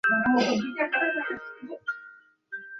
তোর জন্য একটা শেরওয়ানিও?